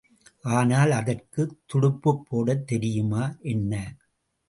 ஆனால் அதற்குத் துடுப்புப் போடத் தெரியுமா என்ன?